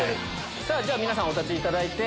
皆さんお立ちいただいて。